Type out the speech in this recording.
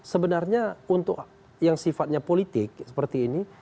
sebenarnya untuk yang sifatnya politik seperti ini